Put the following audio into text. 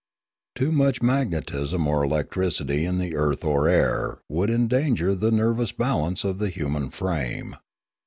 Too much magnetism or electricity in the earth or air would endanger the nervous balance of the human frame.